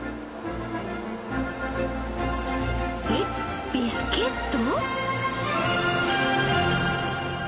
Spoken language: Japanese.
えっビスケット？